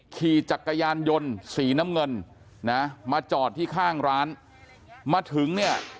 ขี่จักรยานยนต์สีน้ำเงินนะมาจอดที่ข้างร้านมาถึงเนี่ย